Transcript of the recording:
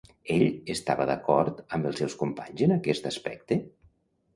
Ell estava d'acord amb els seus companys en aquest aspecte?